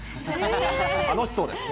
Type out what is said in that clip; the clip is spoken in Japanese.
楽しそうです。